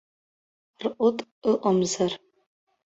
Рҟыт ыҟамзар.